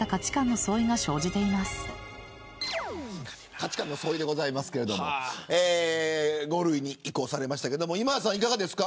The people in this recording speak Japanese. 価値観の相違ですけど５類に移行されましたけど今田さん、いかがですか。